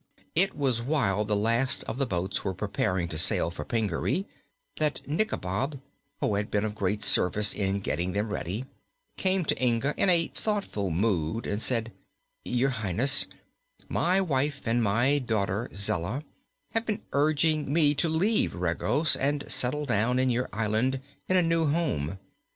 It was while the last of the boats were preparing to sail for Pingaree that Nikobob, who had been of great service in getting them ready, came to Inga in a thoughtful mood and said: "Your Highness, my wife and my daughter Zella have been urging me to leave Regos and settle down in your island, in a new home.